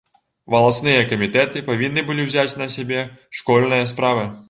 Валасныя камітэты павінны былі ўзяць на сябе школьныя справы.